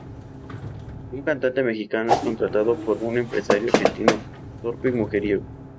Un cantante mexicano es contratado por un empresario argentino torpe y mujeriego.